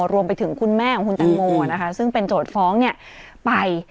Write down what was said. รวมไปถึงคุณแม่ของคุณแตงโมนะคะซึ่งเป็นโจทย์ฟ้องไป